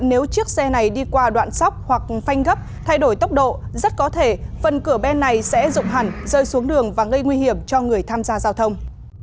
nếu chiếc xe này đi qua đoạn sóc hoặc phanh gấp thay đổi tốc độ rất có thể phần cửa bên này sẽ rụng hẳn rơi xuống đường và gây nguy hiểm cho người tham gia giao thông